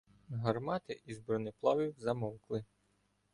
Гармати із бронеплавів замовкли.